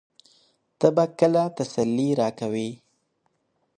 ته به کله تسلي راکوې؟